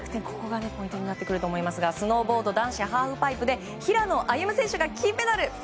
ここがポイントになってくると思いますがスノーボード男子ハーフパイプで平野歩夢選手が金メダル！